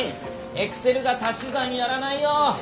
エクセルが足し算やらないよ！